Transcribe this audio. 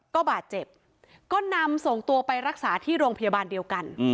ก็บาดเจ็บก็นำส่งตัวไปรักษาที่โรงพยาบาลเดียวกัน